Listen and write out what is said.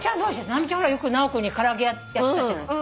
直美ちゃんほらよく直君に唐揚げやってたじゃない。